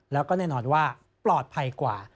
แล้วก็แน่นอนว่าปลอดภัยกว่า